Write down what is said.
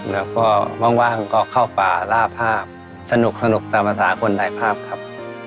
แล้วก็ว่างก็เข้าป่าล่าภาพสนุกตามภาษาคนถ่ายภาพครับ